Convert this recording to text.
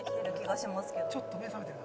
「ちょっと目覚めてるな」